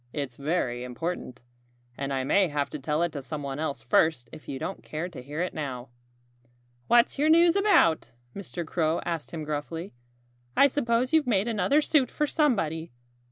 "It's very important. And I may have to tell it to someone else first if you don't care to hear it now." "What's your news about?" Mr. Crow asked him gruffly. "I suppose you've made another suit for somebody.